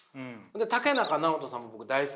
竹中直人さんも僕大好きでね